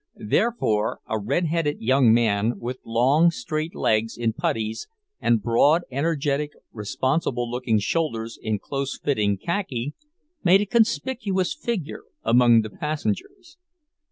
Therefore a redheaded young man with long straight legs in puttees, and broad, energetic, responsible looking shoulders in close fitting khaki, made a conspicuous figure among the passengers.